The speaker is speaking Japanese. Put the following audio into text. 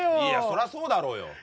いやそらそうだろうよ